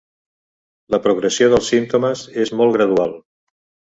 La progressió dels símptomes és molt gradual.